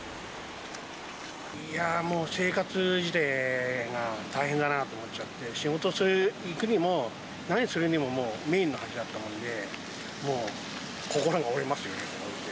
いや、もう生活自体が大変だなと思っちゃって、仕事行くにも、何するにももう、メインの橋だったもんで、もう心が折れますよね。